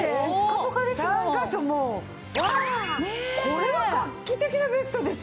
これは画期的なベストですよね。